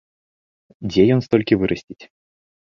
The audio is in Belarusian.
Дзе ён столькі вырасціць?